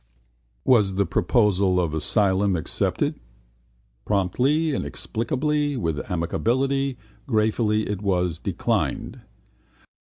Was the proposal of asylum accepted? Promptly, inexplicably, with amicability, gratefully it was declined.